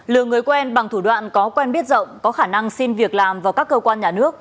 lừa người quen bằng thủ đoạn có quen biết rộng có khả năng xin việc làm vào các cơ quan nhà nước